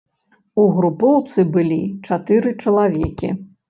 У групоўцы былі чатыры чалавекі.